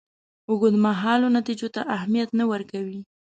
اوږدمهالو نتیجو ته اهمیت نه ورکوي.